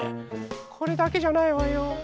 これだけじゃないわよ。